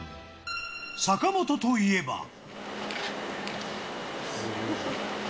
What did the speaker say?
坂本といえば。